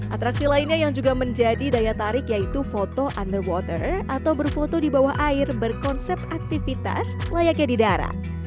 atraksi lainnya yang juga menjadi daya tarik yaitu foto underwater atau berfoto di bawah air berkonsep aktivitas layaknya di darat